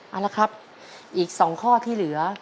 เอาละครับอีก๒ข้อที่เหลือ